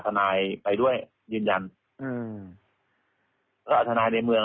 เพราะว่าตอนแรกมีการพูดถึงนิติกรคือฝ่ายกฎหมาย